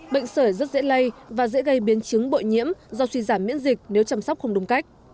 bệnh sởi rất dễ lây và dễ gây biến chứng bội nhiễm do suy giảm miễn dịch nếu chăm sóc không đúng cách